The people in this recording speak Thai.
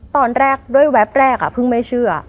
ตอนแรกด้วยแวบแรกเพิ่งไม่เชื่อ